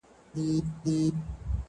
اه څه نا پوه وم څه ساده دي کړمه,